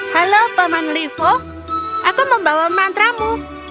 halo paman livo aku membawa mantramu